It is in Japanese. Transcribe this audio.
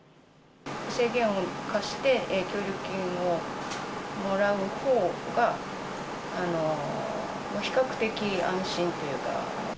制限を課して協力金をもらうほうが、比較的安心というか。